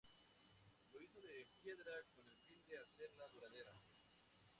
Lo hizo en piedra con el fin de hacerla duradera.